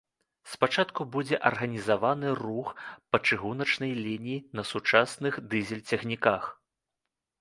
Спачатку будзе арганізаваны рух па чыгуначнай лініі на сучасных дызель-цягніках.